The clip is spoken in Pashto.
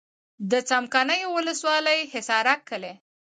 د څمکنیو ولسوالي حصارک کلی.